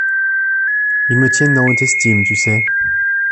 Ils me tiennent en haute estime, tu sais…